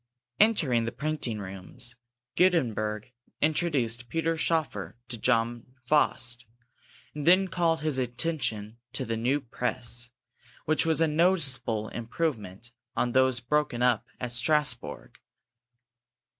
Entering the printing rooms, Gutenberg introduced Peter Schoeffer to John Faust, and then called his attention to the new press, which was a noticeable improvement on those broken up at Strasbourg.